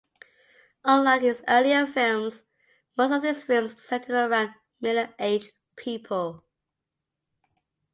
Unlike his earlier films, most of these films centered around middle aged people.